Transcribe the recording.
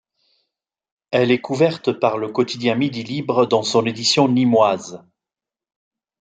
Elle est couverte par le quotidien Midi Libre, dans son édition nîmoise.